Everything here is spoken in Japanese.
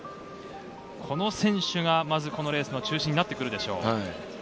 この選手がこのレースの中心になってくるでしょう。